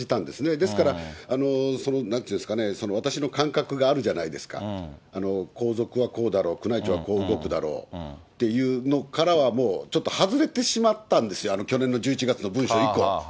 ですから、なんて言うんですかね、私の感覚があるじゃないですか、皇族はこうだろう、宮内庁はこう動くだろうっていうのからは、ちょっと外れてしまったんですよ、あの去年の１１月の文書以降。